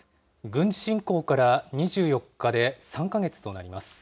軍事侵攻から２４日で３か月となります。